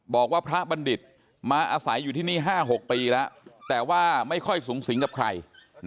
บอกว่าพระบัณฑิตมาอาศัยอยู่ที่นี่๕๖ปีแล้วแต่ว่าไม่ค่อยสูงสิงกับใคร